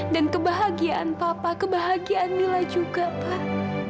dan kebahagiaan papa kebahagiaan mila juga pak